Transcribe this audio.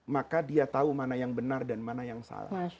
maka dia tahu mana yang benar dan mana yang salah